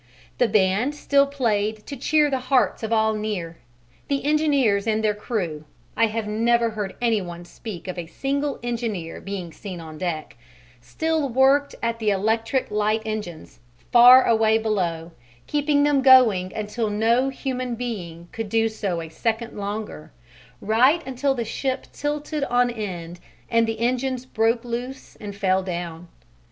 The band still played to cheer the hearts of all near; the engineers and their crew I have never heard any one speak of a single engineer being seen on deck still worked at the electric light engines, far away below, keeping them going until no human being could do so a second longer, right until the ship tilted on end and the engines broke loose and fell down.